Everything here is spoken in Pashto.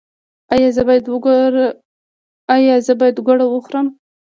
ایا زه باید ګوړه وخورم؟